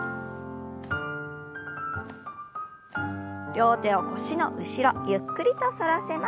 両手を腰の後ろゆっくりと反らせます。